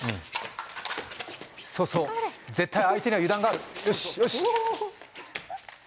そうそう絶対相手には油断があるよしよし！